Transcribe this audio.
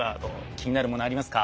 気になるものありますか？